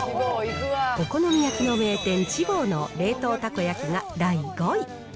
お好み焼きの名店、千房の冷凍たこ焼きが第５位。